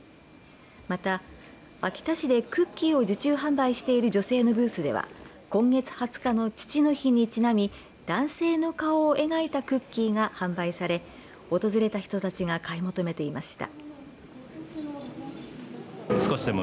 また秋田市でクッキーを受注販売している女性のブースでは今月２０日の父の日にちなみ男性の顔を描いたクッキーが販売され訪れた人たちが買い求めていました。